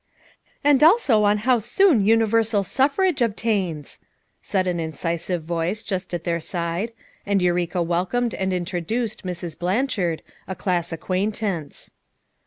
"And also on how soon universal suffrage obtains," said an incisive voice just at their side, and Eureka welcomed and introduced Mrs. Blanchard, a class acquaintance.